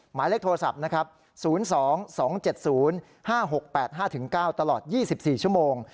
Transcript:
หมายเลขโทรศัพท์นะครับ๐๒๒๗๐๕๖๘๕๙ตลอด๒๔ชั่วโมง